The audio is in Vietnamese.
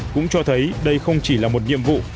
cũng cho thấy đây không chỉ là một nhiệm vụ